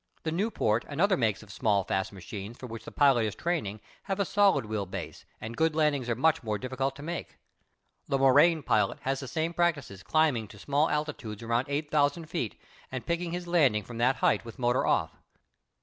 The Nieuport and other makes of small, fast machines for which the pilot is training have a solid wheel base, and good landings are much more difficult to make. The Morane pilot has the same practices climbing to small altitudes around eight thousand feet and picking his landing from that height with motor off.